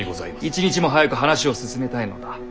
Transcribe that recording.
一日も早く話を進めたいのだ。